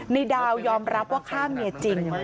ในดาวยอมรับว่าฆ่าเมียจริง